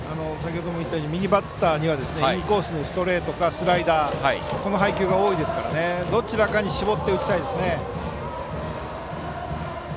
右バッターにはインコースのストレートかスライダーこの配球が多いですからどちらかに絞って打ちたいです。